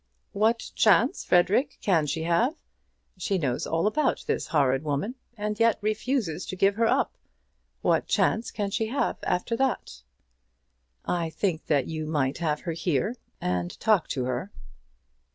"What chance, Frederic, can she have? She knows all about this horrid woman, and yet refuses to give her up! What chance can she have after that?" "I think that you might have her here, and talk to her."